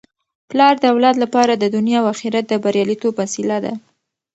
پلار د اولاد لپاره د دنیا او اخرت د بریالیتوب وسیله ده.